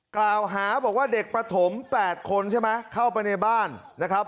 กล่าวหาบอกว่าเด็กประถม๘คนใช่ไหมเข้าไปในบ้านนะครับ